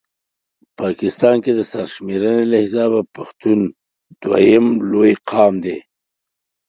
په پاکستان کې د سر شميرني له حسابه پښتون دویم پړاو لوي قام دی